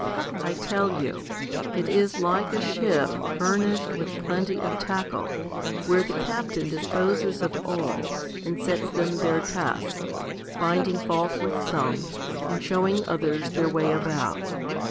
I tell you, it is like a ship furnished with plenty of tackle, where the captain disposes of all, and sets them their tasks, finding fault with some, and showing others their way about.